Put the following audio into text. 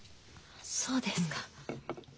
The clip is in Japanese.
そうですか。